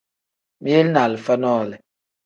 Mili ni alifa nole.